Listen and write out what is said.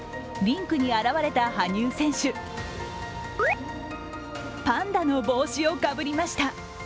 リンクに現れた羽生選手、パンダの帽子をかぶりました。